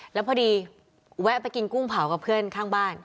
แล้วพอดีแวะไปกินกุ้งเผากับเพื่อนข้างบ้าน